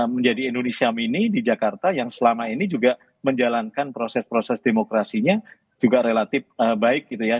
menjadi indonesia mini di jakarta yang selama ini juga menjalankan proses proses demokrasinya juga relatif baik gitu ya